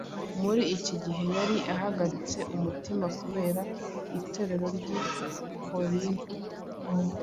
Muri iki gihe yari ahagaritse umutima kubera Itorero ry’i Korinto,